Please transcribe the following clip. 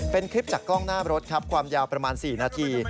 เป็นคลิปจากกล้องหน้ารถครับความยาวประมาณ๔นาที